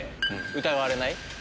疑われない。